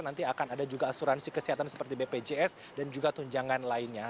nanti akan ada juga asuransi kesehatan seperti bpjs dan juga tunjangan lainnya